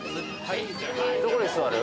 どこに座る？